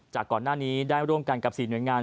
จากก่อนหน้านี้ได้ร่วมกันกับ๔หน่วยงาน